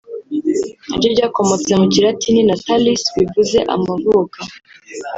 naryo ryakomotse mu Kilatini “Natalis” bivuze “amavuka”